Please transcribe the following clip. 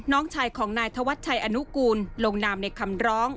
น้องชายของนายธวัชชัยอนุกูลลงนามในคำร้อง